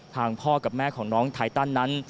พ่อกับแม่ของน้องไทตันนั้น